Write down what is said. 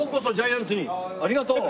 ありがとう！